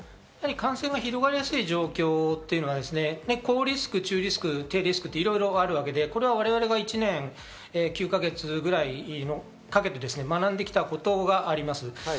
感染が広がりやすい状況というのは高リスク、中リスク、低リスクといろいろあるわけで、我々が１年９か月くらいかけて学んできたことがあります。